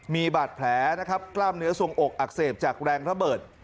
มีบาดแผลนะครับกล้ามเนื้อทรงอกอักเสบจากแรงระเบิด